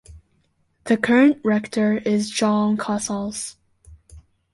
The current rector is Jaume Casals.